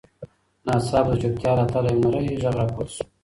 ناڅاپه د چوپتیا له تله یو نرۍ غږ راپورته شو.